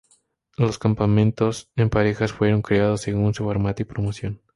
Los campeonatos en parejas fueron creados según su formato y promoción.